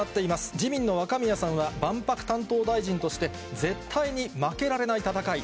自民の若宮さんは、万博担当大臣として、絶対に負けられない戦い。